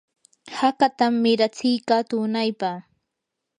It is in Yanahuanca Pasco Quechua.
hakatam miratsiyka tunaypa.